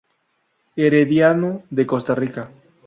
Herediano de Costa Rica.